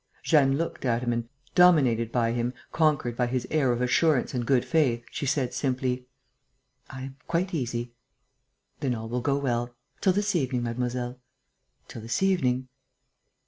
Jeanne looked at him and, dominated by him, conquered by his air of assurance and good faith, she said, simply: "I am quite easy." "Then all will go well. Till this evening, mademoiselle." "Till this evening."